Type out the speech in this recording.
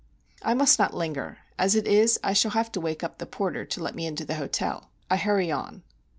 I must not linger; as it is, I shall have to wake up the porter to let me into the hotel. I hurry on.